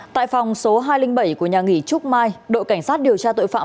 tại phòng số hai trăm linh bảy của nhà nghỉ trúc mai đội cảnh sát điều tra tội phạm